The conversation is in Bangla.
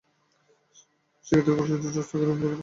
সেক্ষেত্রে ফল বা সবজির রস ত্বকের উপরিভাগে লাগিয়ে দেখে নিতে পারেন।